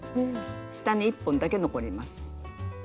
下に１本だけ残ります。